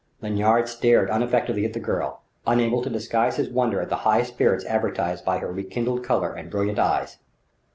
Lanyard stared unaffectedly at the girl, unable to disguise his wonder at the high spirits advertised by her rekindled colour and brilliant eyes.